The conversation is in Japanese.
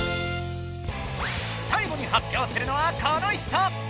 最後に発表するのはこの人！